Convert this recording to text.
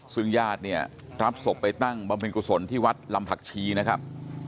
ซึ่งญาติเนี่ยรับศพไปตั้งบำเพ็ญกุศลที่วัดลำผักชีนะครับ